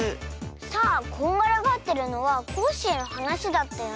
さあこんがらがってるのはコッシーのはなしだったよね。